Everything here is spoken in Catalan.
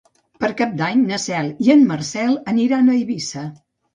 Per Cap d'Any na Cel i en Marcel aniran a Eivissa.